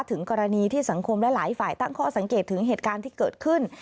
ถึงกรณีที่สังคมและหลายฝ่ายตั้งข้อสังเกตถึงเหตุการณ์ที่เกิดขึ้น